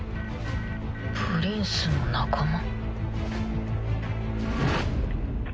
プリンスの仲間？